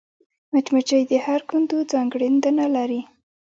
مچمچۍ د هر کندو ځانګړېندنه لري